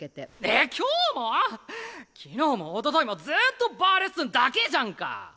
えっ今日も⁉昨日もおとといもずっとバーレッスンだけじゃんか！